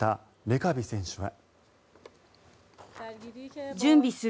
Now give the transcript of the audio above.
レカビ選手は。